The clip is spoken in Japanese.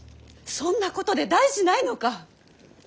そんなことで大事ないのか！？